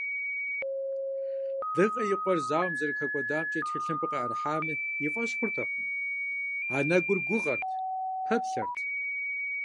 Дыгъэ и къуэр зауэм зэрыхэкӏуэдамкӏэ тхылъымпӏэ къыӏэрыхьами, и фӏэщ хъуртэкъым, анэгур гугъэт, пэплъэрт.